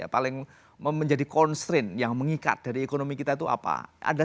paling menjadi constrain yang mengikat dari ekonomi kita itu apa